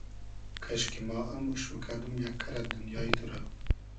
کئشکی ما ام اوش موکئدوم یئگ کئرئد دونیای تو رۂ